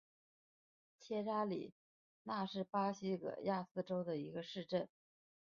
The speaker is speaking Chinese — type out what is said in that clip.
切扎里娜是巴西戈亚斯州的一个市镇。